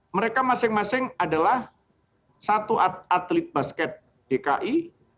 mereka masing masing adalah satu atlet basket dki